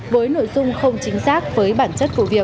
với nội dung không chính xác với bản chất vụ việc